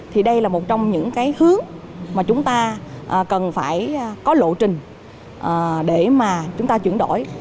thì đây là một trong những cái hướng mà chúng ta cần phải có lộ trình để mà chúng ta chuyển đổi